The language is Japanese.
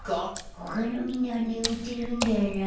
ほかのみんなはねむってるんじゃない？